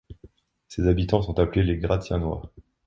Ses habitants sont appelés les Gratiennois.